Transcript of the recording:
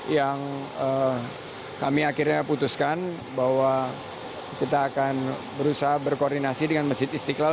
yang kami akhirnya putuskan bahwa kita akan berusaha berkoordinasi dengan masjid istiqlal